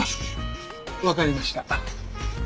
わかりました。